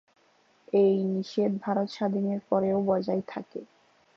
এই নিষেধ ভারত স্বাধীনের পরেও বজায় থাকে।